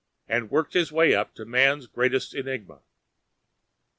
and worked his way up to Man's greatest enigma!